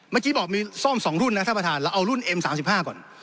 เมื่อกี้บอกมีซ่อมสองรุ่นน่ะท่านประธานเราเอารุ่นเอ็มสามสิบห้าก่อน